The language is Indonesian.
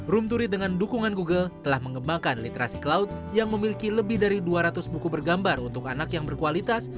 room to read dengan dukungan google telah mengembangkan literasi cloud yang memiliki lebih dari dua ratus buku bergambar untuk anak yang berkualitas